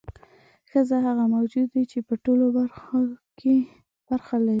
ښځه هغه موجود دی چې په ټولو برخو کې برخه لري.